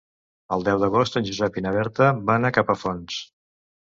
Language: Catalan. El deu d'agost en Josep i na Berta van a Capafonts.